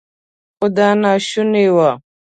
خو دا ناشونې وه.